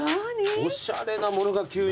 おしゃれなものが急に。